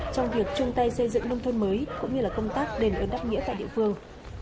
trong việc chung tay xây dựng nông thôn mới cũng như là công tác đền ơn đáp nghĩa tại địa phương